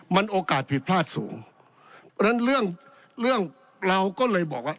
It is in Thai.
มันโอกาสผิดพลาดสูงเพราะฉะนั้นเรื่องเรื่องเราก็เลยบอกว่า